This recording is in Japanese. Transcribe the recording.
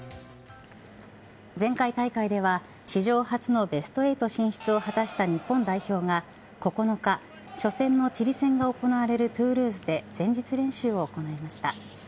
前回大会では史上初のベスト８進出を果たした日本代表が９日、初戦のチリ戦が行われるトゥールーズで前日練習を行いました。